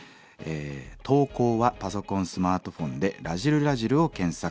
投稿はパソコンスマートフォンで「らじる★らじる」を検索。